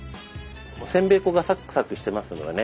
せんべい粉がサクサクしてますのでね